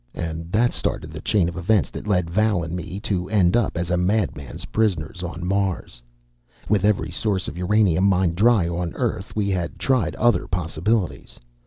And that started the chain of events that led Val and me to end up as a madman's prisoners, on Mars. With every source of uranium mined dry on Earth, we had tried other possibilities.